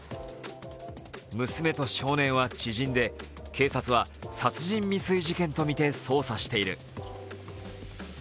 娘と少年は知人で、警察は殺人未遂事件とみて捜査している。